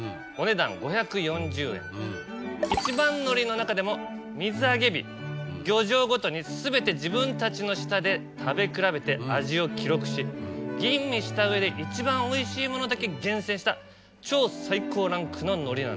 一番海苔の中でも水揚げ日漁場ごとに全て自分たちの舌で食べ比べて味を記録し吟味した上で一番おいしいものだけ厳選した超最高ランクの海苔なんです。